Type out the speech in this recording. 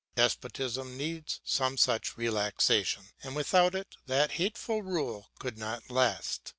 Despotism needs some such relaxation, and without it that hateful rule could not last.